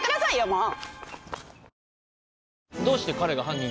もう。